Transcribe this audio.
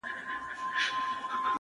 په حيرت حيرت يې وكتل مېزونه.!